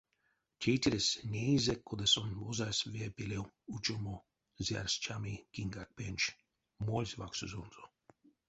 Тейтересь неизе, кода сон озась ве пелев учомо, зярс чами киньгак пенч, мольсь ваксозонзо.